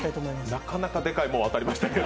なかなかでかいもん当たりましたけど。